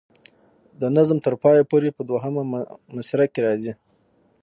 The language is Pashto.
د نظم تر پایه پورې په دوهمه مصره کې راځي.